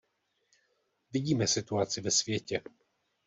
Vidíme situaci ve světě.